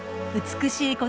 美しい